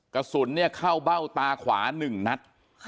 กระสุนเข้าเบ้าตาขวา๑นัด